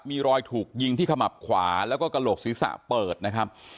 มีรอยถูกยิงที่ขมับขวาแล้วก็กระโหลกศีรษะเปิดนะครับ